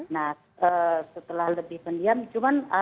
nah setelah lebih pendiam